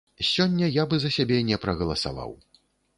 Сёння я бы за сябе не прагаласаваў.